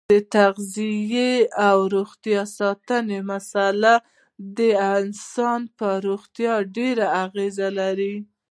د تغذیې او روغتیا ساتنې مساله د انسان په روغتیا ډېره اغیزه لري.